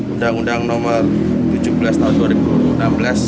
undang undang nomor tujuh belas tahun dua ribu enam belas